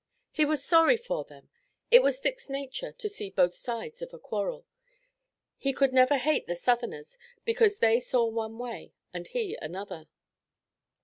He was sorry for them. It was Dick's nature to see both sides of a quarrel. He could never hate the Southerners, because they saw one way and he another.